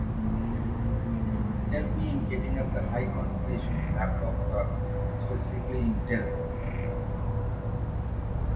Many commuters pass through the building as they exit the Downtown Crossing subway station.